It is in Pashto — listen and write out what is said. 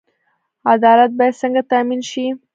عدالت باید څنګه تامین شي؟